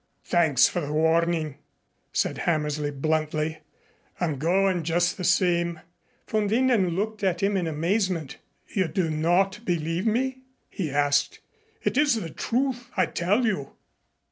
Thanks for the warning," said Hammersley bluntly. "I'm going just the same." Von Winden looked at him in amazement. "You do not believe me?" he asked. "It is the truth, I tell you."